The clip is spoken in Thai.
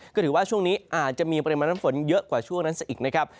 ก็ถือว่าช่วงนี้อาจจะมีปริมาณน้ำฝนเยอะกว่าช่วงนั้นซะอีกนะครับ